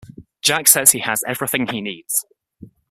Jack says he has everything he needs.